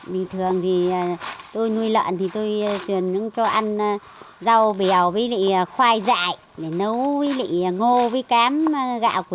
bình thường thì tôi nuôi lợn thì tôi tuyển cho ăn rau bèo với lị khoai dại để nấu với lị ngô với cám gạo của nhà tận dụng ra